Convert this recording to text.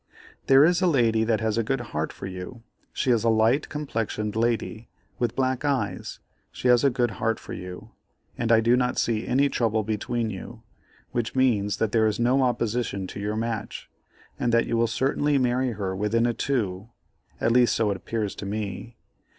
There is a lady that has a good heart for you. She is a light complexioned lady, with black eyes; she has a good heart for you, and I do not see any trouble between you, which means that there is no opposition to your match, and that you will certainly marry her within a 2, at least so it 'pears to me.